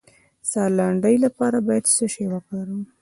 د ساه لنډۍ لپاره باید څه شی وکاروم؟